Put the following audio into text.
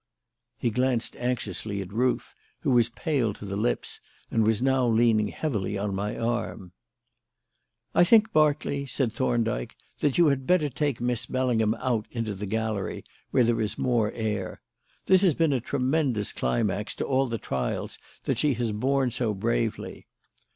He glanced anxiously at Ruth, who was pale to the lips and was now leaning heavily on my arm. "I think, Berkeley," said Thorndyke, "you had better take Miss Bellingham out into the gallery, where there is more air. This has been a tremendous climax to all the trials that she has borne so bravely.